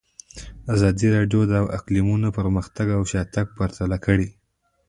ازادي راډیو د اقلیتونه پرمختګ او شاتګ پرتله کړی.